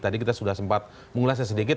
tadi kita sudah sempat mengulasnya sedikit